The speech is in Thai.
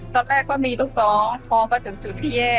ตอนแรกก็มีลูกน้องพอมาถึงจุดที่แย่